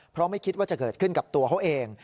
เพราะไม่คิดว่าจะเกิดขึ้นกับตัวเขาเอง